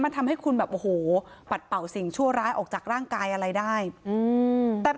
มันทำให้คุณแบบโอ้โหปัดเป่าสิ่งชั่วร้ายออกจากร่างกายอะไรได้อืมแต่